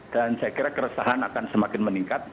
dan saya kira keresahan akan semakin meningkat